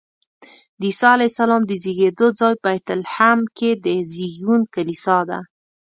د عیسی علیه السلام د زېږېدو ځای بیت لحم کې د زېږون کلیسا ده.